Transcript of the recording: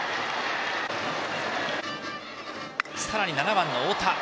さらに７番の太田。